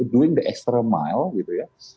buat perjalanan lebih jauh gitu ya